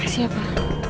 kasih ya pak